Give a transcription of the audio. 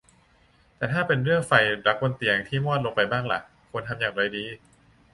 แต่ถ้าเป็นเรื่องไฟรักบนเตียงที่มอดลงไปบ้างล่ะ ควรทำอย่างไรดี